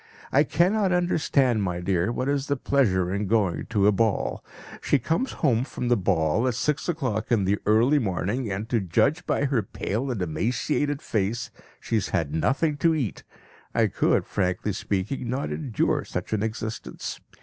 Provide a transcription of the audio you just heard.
I cannot understand, my dear, what is the pleasure in going to a ball. She comes home from the ball at six o'clock in the early morning, and to judge by her pale and emaciated face, she has had nothing to eat. I could, frankly speaking, not endure such an existence.